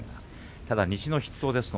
ただ、西の筆頭ですね。